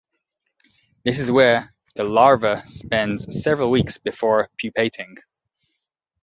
This is where the larva spends several weeks before pupating.